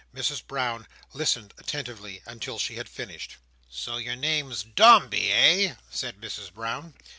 Mrs Brown listened attentively, until she had finished. "So your name's Dombey, eh?" said Mrs Brown.